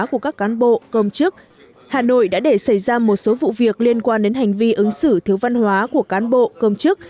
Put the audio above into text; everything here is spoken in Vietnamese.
của các cán bộ công chức hà nội đã để xảy ra một số vụ việc liên quan đến hành vi ứng xử thiếu văn hóa của cán bộ công chức